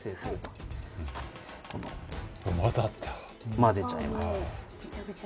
まぜちゃいます。